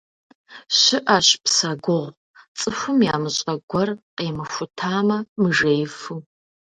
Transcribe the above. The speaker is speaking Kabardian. Щыӏэщ псэ гугъу, цӏыхум ямыщӏэ гуэр къимыхутамэ, мыжеифу.